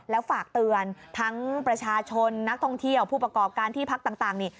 แล้วฝากเตือนทั้งประชาชนนักท่องเที่ยวผู้ประกอบการที่พักต่างนี่